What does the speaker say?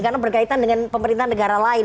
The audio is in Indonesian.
karena berkaitan dengan pemerintahan negara lain